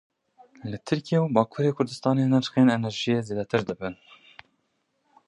Li Tirkiye û Bakurê Kurdistanê nirxên enerjiyê zêdetir dibin.